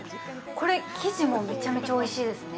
これ、生地もめちゃめちゃおいしいですね。